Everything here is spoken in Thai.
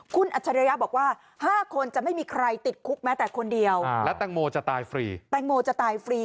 คุณอัชริยะบอกว่า๕คนจะไม่มีใครติดคุกแม้แต่คนเดียวแล้วแตงโมจะตายฟรี